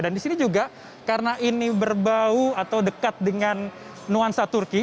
di sini juga karena ini berbau atau dekat dengan nuansa turki